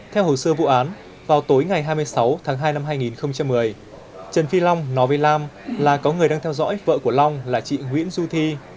theo hồ sơ vụ án vào tối ngày hai mươi sáu tháng hai năm hai nghìn một mươi trần phi long nói với lam là có người đang theo dõi vợ của long là chị nguyễn du thi